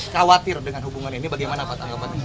khawatir dengan hubungan ini bagaimana pak tanggapan